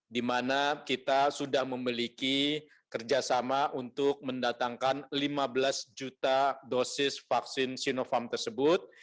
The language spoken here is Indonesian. di mana kita sudah memiliki kerjasama untuk mendatangkan lima belas juta dosis vaksin sinovac tersebut